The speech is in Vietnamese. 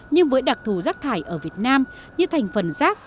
nhưng với đặc thù rác thải ở việt nam như thành phần rác